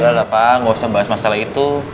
udah lah pak gak usah bahas masalah itu